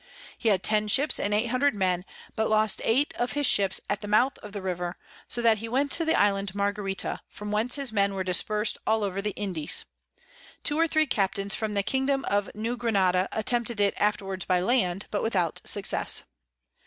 He had ten Ships and 800 Men, but lost eight of his Ships at the mouth of the River; so that he went to the Island Margarita, from whence his Men were dispers'd all over the Indies. Two or three Captains from the Kingdom of New Granada attempted it afterwards by Land, but without Success.